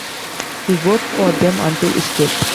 He worked for them until his death.